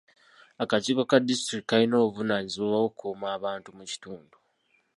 Akakiiko ka disitulikiti kalina obuvunaanyizibwa bw'okukuuma abantu mu kitundu.